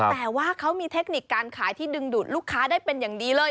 แต่ว่าเขามีเทคนิคการขายที่ดึงดูดลูกค้าได้เป็นอย่างดีเลย